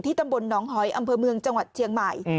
ตำบลหนองหอยอำเภอเมืองจังหวัดเชียงใหม่